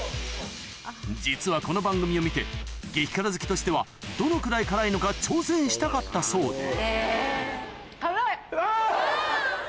実はこの番組を見て激辛好きとしてはどのくらい辛いのか挑戦したかったそうでうわ！